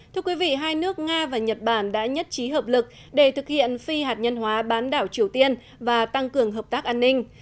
thưa quý vị hai nước nga và nhật bản đã nhất trí hợp lực để thực hiện phi hạt nhân hóa bán đảo triều tiên và tăng cường hợp tác an ninh